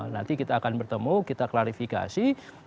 nanti kita akan bertemu kita klarifikasi